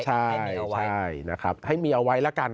ใช่นะครับให้มีเอาไว้แล้วกัน